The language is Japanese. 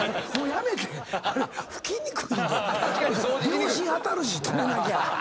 秒針当たるし止めなきゃ。